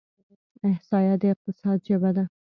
احصایه د اقتصاد ژبه ده.